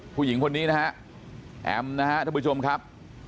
ผู้หญิงคนนี้นะฮะแอมนะฮะท่านผู้ชมครับ